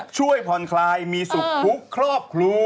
ช่วยผ่อนคลายมีสุข฾ุครอบครัว